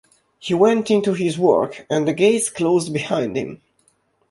He went into his work and the gates closed behind him.